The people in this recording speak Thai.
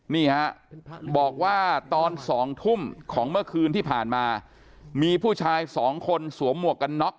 นี่ฮะบอกว่าตอน๒ทุ่มของเมื่อคืนที่ผ่านมามีผู้ชายสองคนสวมหมวกกันน็อก